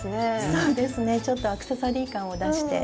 そうですねちょっとアクセサリー感を出して。